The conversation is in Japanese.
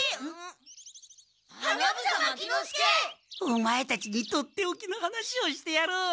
オマエたちにとっておきの話をしてやろう。